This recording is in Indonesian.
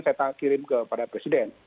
saya kirim kepada presiden